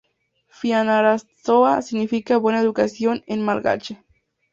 Fianarantsoa significa "buena educación" en malgache.